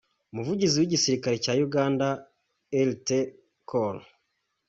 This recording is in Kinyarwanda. Umuvugizi w’igisirikare cya Uganda Lt Col.